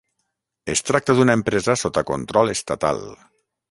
Es tracta d'una empresa sota control estatal.